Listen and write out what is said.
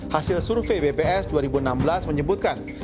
hasil survei bps dua ribu enam belas menyebutkan